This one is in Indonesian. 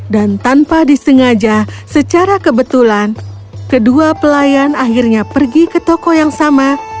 dan tanpa disengaja secara kebetulan kedua pelayan akhirnya pergi ke toko yang sama